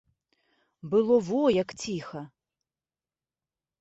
Было во як ціха!